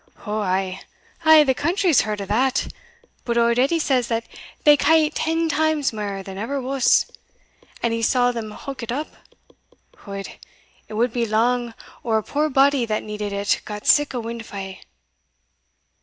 "Ou ay a' the country's heard o' that; but auld Edie says that they ca' it ten times mair than ever was o't, and he saw them howk it up. Od, it would be lang or a puir body that needed it got sic a windfa'."